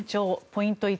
ポイント